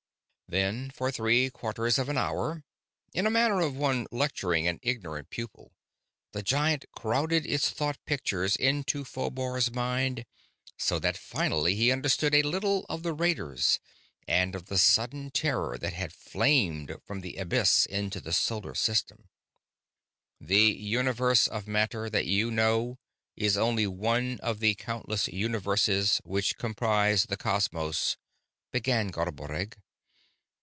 Then, for three quarters of an hour, in the manner of one lecturing an ignorant pupil, the giant crowded its thought pictures into Phobar's mind so that finally he understood a little of the raiders and of the sudden terror that had flamed from the abysses into the solar system. "The universe of matter that you know is only one of the countless universes which comprise the cosmos," began Garboreggg.